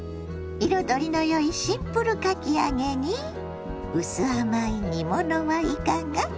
彩りのよいシンプルかき揚げにうす甘い煮物はいかが。